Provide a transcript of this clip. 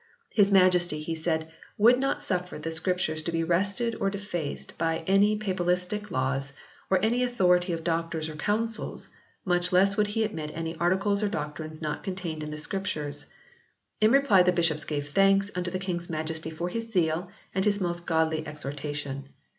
His Majesty, he said, would not suffer the Scriptures to be wrested or defaced by any papistical laws, or any authority of doctors or councils, much less would he admit any articles or doctrines not contained in the Scriptures. In reply the bishops gave thanks unto the King s Majesty for his zeal and his most godly exhortation.